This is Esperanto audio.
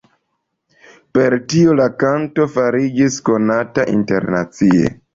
Per tio la kanto fariĝis konata internacie.